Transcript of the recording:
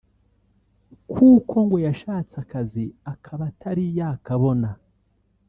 kuko ngo yashatse akazi akaba atari yakabona